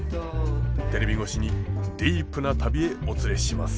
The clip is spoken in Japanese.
テレビ越しにディープな旅へお連れします。